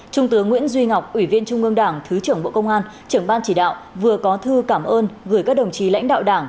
trung tướng nguyễn duy ngọc ủy viên trung ương đảng thứ trưởng bộ công an trưởng ban chỉ đạo vừa có thư cảm ơn gửi các đồng chí lãnh đạo đảng